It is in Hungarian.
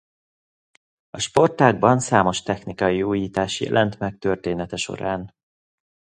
A sportágban számos technikai újítás jelent meg története során.